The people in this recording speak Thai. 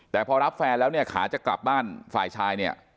แต่พอรับแฟนแล้วเนี่ยขาจะกลับบ้านฝ่ายชายเนี่ย